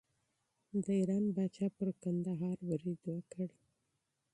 د ایران پاچا پر کندهار برید وکړ.